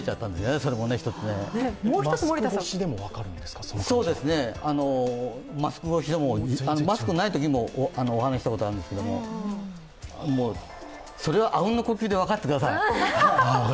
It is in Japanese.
そうですね、マスク越しでも、マスクないときでもお話ししたときもあるんですけども、それは、あうんの呼吸で分かってください。